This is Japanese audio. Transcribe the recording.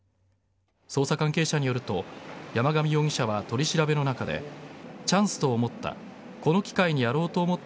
捜査関係者によると山上容疑者は取り調べの中でチャンスと思った。